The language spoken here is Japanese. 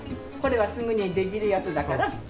これはすぐにできるやつだから。